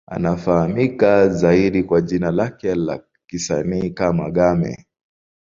Anafahamika zaidi kwa jina lake la kisanii kama Game.